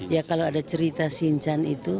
ya kalau ada cerita sincan itu